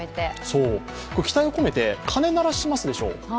期待をこめて、鐘を鳴らしますでしょう。